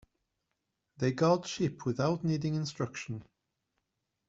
They guard sheep without needing instruction.